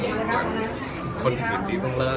สภาพเจ๋ยใจตอนนี้เป็นไงบ้างครับ